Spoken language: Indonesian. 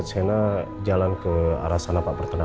itu cuma tukang kebun gak apa apa